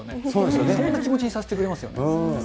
そんな気持ちにさせてくれますよね。